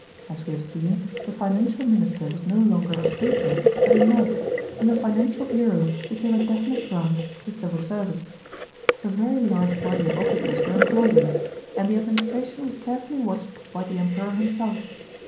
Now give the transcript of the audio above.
As we have seen, the financial minister was no longer a freedman but a knight, and the financial bureau became a definite branch of the civil service. A very large body of officers were employed in it, and the administra tion was carefully watched by the Emperor himself.